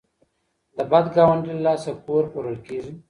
د بد ګاونډي له لاسه کور پلورل کیږي.